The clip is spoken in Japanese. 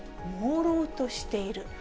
もうろうとしている。